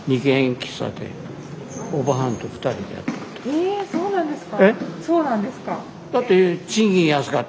ええそうなんですか。